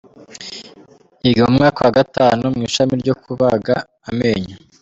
Yiga mu mwaka wa Gatanu mu ishami ryo kubaga amenyo.